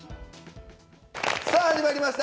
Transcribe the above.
さあ、始まりました。